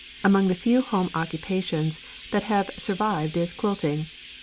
Among the few home occupations that have survived is quilting.